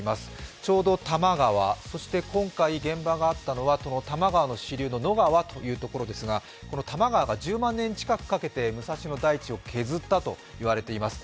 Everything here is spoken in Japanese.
ちょうど多摩川、今回現場があったのは、その多摩川の支流の野川というところですが、この多摩川が１０万年近くをかけて削ったと言われています。